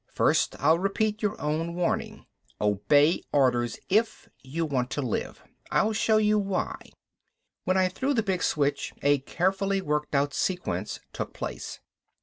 "First I'll repeat your own warning obey orders if you want to live. I'll show you why " When I threw the big switch a carefully worked out sequence took place.